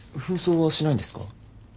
扮装はしないんですか？